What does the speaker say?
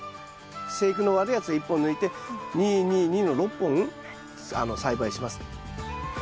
生育の悪いやつを１本抜いて２２２の６本栽培します。